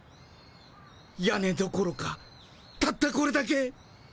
屋根どころかたったこれだけ。